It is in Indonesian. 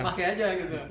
sepakai aja gitu